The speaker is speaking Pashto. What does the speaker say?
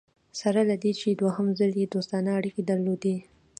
سره له دې چې دوهم ځل یې دوستانه اړیکي درلودې.